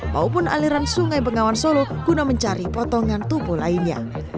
maupun aliran sungai bengawan solo guna mencari potongan tubuh lainnya